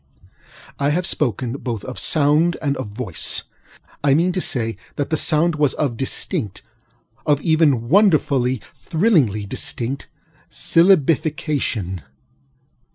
I have spoken both of ŌĆ£soundŌĆØ and of ŌĆ£voice. ŌĆØ I mean to say that the sound was one of distinctŌĆöof even wonderfully, thrillingly distinctŌĆösyllabification.